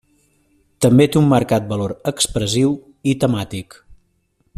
També té un marcat valor expressiu i temàtic.